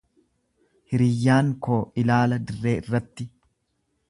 Hiriyyaan koo ilaala dirree irratti.